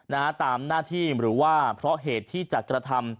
นะฮะตามหน้าที่หรือว่าเพราะเหตุที่จะกระทำ